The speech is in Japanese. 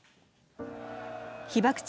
被爆地